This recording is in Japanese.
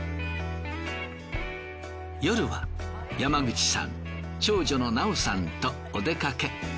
夜は山口さん長女の奈緒さんとお出かけ。